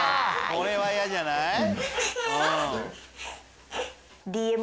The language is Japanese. これは嫌じゃない？